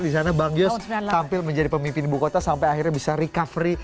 di sana bang yos tampil menjadi pemimpin ibu kota sampai akhirnya bisa recovery